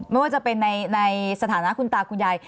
ไม่ว่าจะเป็นในสถานะคุณตาคุณยาย